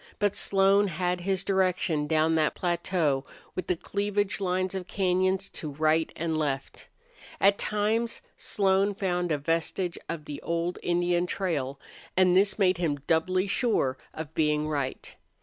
But Slone had his direction down that plateau with the cleavage lines of cañons to right and left. At times Slone found a vestige of the old Indian trail, and this made him doubly sure of being right.